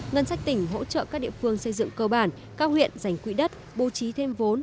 ngân sách tỉnh hỗ trợ các địa phương xây dựng cơ bản các huyện dành quỹ đất bố trí thêm vốn